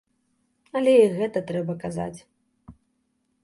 Але і гэта трэба казаць.